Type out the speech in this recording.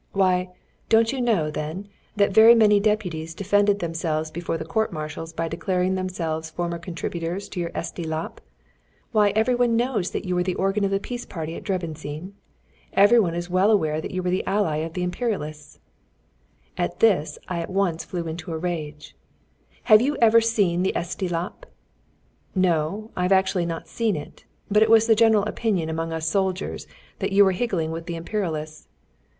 Why, don't you know, then, that very many deputies defended themselves before the court martials by declaring themselves former contributors to your Esti Lap? Why, every one knows that you were the organ of the peace party at Debreczin. Every one is well aware that you were the ally of the Imperialists." [Footnote 70: Evening News.] At this I at once flew into a rage. "Have you ever seen the Esti Lap?" "No, I've not actually seen it, but it was the general opinion among us soldiers that you were higgling with the Imperialists."